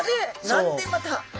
何でまた。